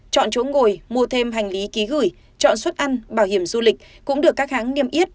chọn chỗ ngồi mua thêm hành lý ký gửi chọn suất ăn bảo hiểm du lịch cũng được các hãng niêm yết